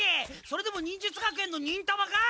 それでも忍術学園の忍たまか？